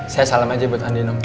saya salam aja buat andien om